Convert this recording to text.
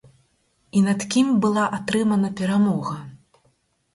І над кім была атрымана перамога?